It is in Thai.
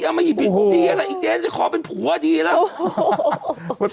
อ้ามายหิดไปไหนแล้วแทนจะคอยเป็นผัวดีรับ